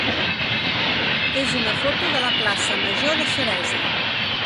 és una foto de la plaça major de Xeresa.